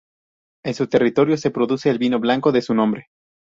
En su territorio se produce el vino blanco de su nombre.